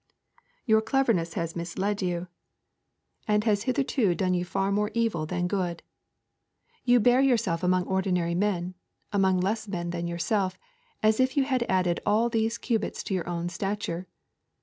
Your cleverness has misled you and has hitherto done you far more evil than good. You bear yourself among ordinary men, among less men than yourself, as if you had added all these cubits to your own stature.